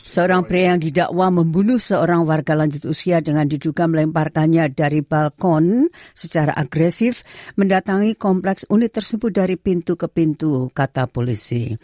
seorang pria yang didakwa membunuh seorang warga lanjut usia dengan diduga melemparkannya dari balkon secara agresif mendatangi kompleks unit tersebut dari pintu ke pintu kata polisi